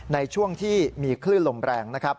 ในช่วงที่มีคลื่นลมแรง